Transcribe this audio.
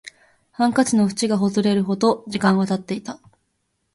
ハンカチの縁がほつれるほど時間は経っていた